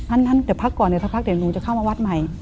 ท่านท่านเดี๋ยวพักก่อนเดี๋ยวสักพักเดี๋ยวหนูจะเข้ามาวัดใหม่